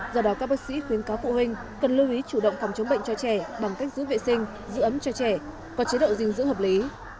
do đó các bác sĩ khuyến cáo phụ huynh cần lưu ý chủ động phòng chống bệnh cho trẻ bằng cách giữ vệ sinh giữ ấm cho trẻ có chế độ dinh dưỡng hợp lý